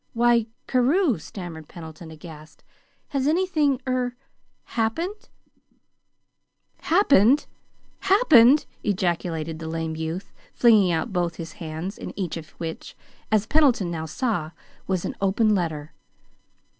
"Why, Carew," stammered Pendleton, aghast, "has anything er happened?" "Happened! Happened!" ejaculated the lame youth, flinging out both his hands, in each of which, as Pendleton now saw, was an open letter.